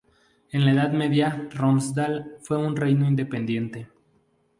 En la Edad Media Romsdal fue un reino independiente.